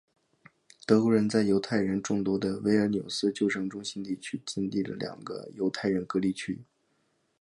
德国人在犹太人众多的维尔纽斯旧城中心地区建立了两个犹太人隔离区。